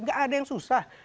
nggak ada yang susah